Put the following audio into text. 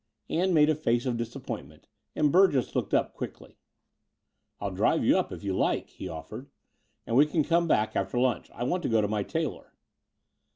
Ann made a face of disappointment ; and Burgess looked up quickly. "I'll drive you up, if you like," he offered; "and we can come back after Itmch. I want to go to my tailor."